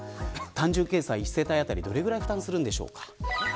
単純計算で１世帯当たりどれくらい負担するんでしょうか。